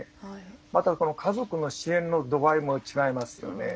また家族の支援の度合いも違いますよね。